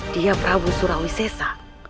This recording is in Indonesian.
dia prabu surawi sesa